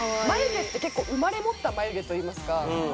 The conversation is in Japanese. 眉毛って結構生まれ持った眉毛といいますか。